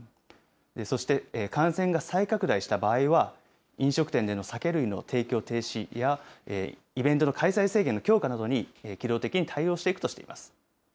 そして感染が再拡大した場合は、飲食店での酒類の提供停止や、イベントの開催制限の強化などに機動的に対応していくとしています。